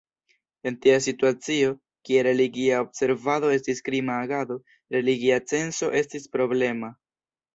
En tia situacio, kie religia observado estis krima agado, religia censo estis problema.